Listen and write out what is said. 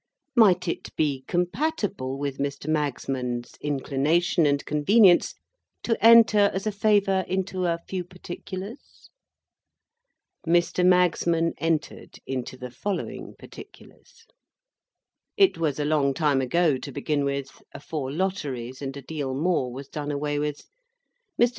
Might it be compatible with Mr. Magsman's inclination and convenience to enter, as a favour, into a few particulars? Mr. Magsman entered into the following particulars. It was a long time ago, to begin with;—afore lotteries and a deal more was done away with. Mr.